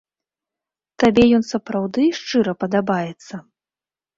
Табе ён сапраўды шчыра падабаецца?